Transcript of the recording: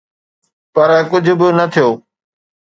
پر ڪجهه به نه ٿيو.